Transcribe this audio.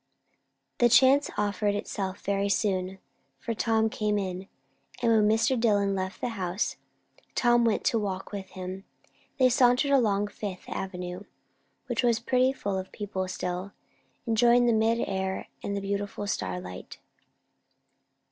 The chance offered itself very soon; for Tom came in, and when Dillwyn left the house, Tom went to walk with him. They sauntered along Fifth Avenue, which was pretty full of people still, enjoying the mild air and beautiful starlight.